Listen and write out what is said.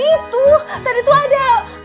itu tadi tuh ada